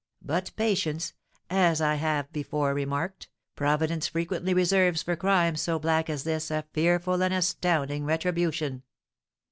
But patience; as I before remarked, Providence frequently reserves for crimes so black as this a fearful and astounding retribution."